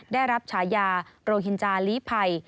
ได้รับฉายาโรฮินจาลีภัย